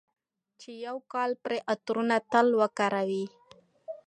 چې يو کال پرې عطرونه، تېل وکاروي،